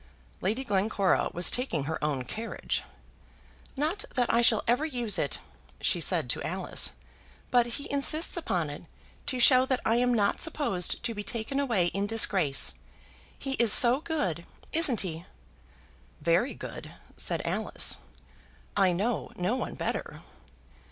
Lady Glencora was taking her own carriage. "Not that I shall ever use it," she said to Alice, "but he insists upon it, to show that I am not supposed to be taken away in disgrace. He is so good; isn't he?" "Very good," said Alice. "I know no one better."